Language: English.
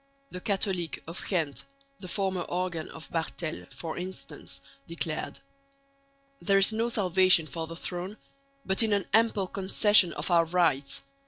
The Catholique of Ghent (the former organ of Barthels) for instance declared: There is no salvation for the throne, but in an ample concession of our rights.